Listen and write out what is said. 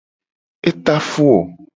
E ta fu wo.